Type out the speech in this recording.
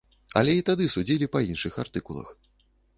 Але і тады судзілі па іншых артыкулах.